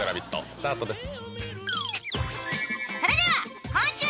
スタートです。